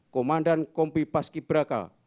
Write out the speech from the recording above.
komandan kompi paski braka